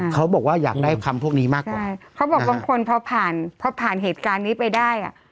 เขาบอกว่าอยากได้คำพวกนี้มากกว่าใช่เขาบอกบางคนพอผ่านพอผ่านเหตุการณ์นี้ไปได้อ่ะ